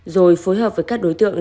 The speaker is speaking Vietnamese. rồi phối hợp với các đối tượng